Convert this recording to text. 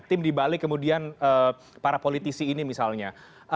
tim di bali kemudian para politisi ini misalnya